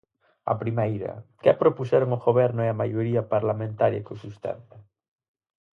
A primeira: ¿que propuxeron o Goberno e a maioría parlamentaria que o sustenta?